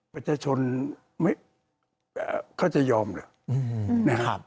ประชาชนเขาจะยอมหรือ